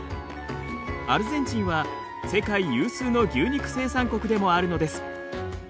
アルゼンチンは世界有数の牛肉生産国でもあるのです。